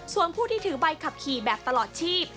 ส่วนผู้ที่ถือใบขับขี่แบบตลอดชีพ